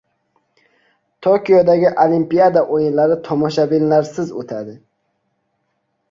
Tokiodagi Olimpiada o‘yinlari tomoshabinlarsiz o‘tadi